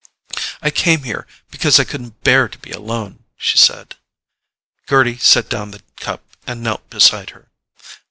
"I came here because I couldn't bear to be alone," she said. Gerty set down the cup and knelt beside her.